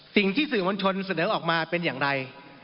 สิ่งที่สื่อมวลชนเสนอออกมาเป็นอย่างไร